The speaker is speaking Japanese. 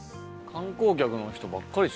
観光客の人ばっかりですね